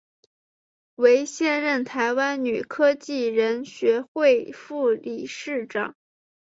为现任台湾女科技人学会副理事长。